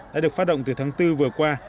đã được phát động từ tháng bốn vừa qua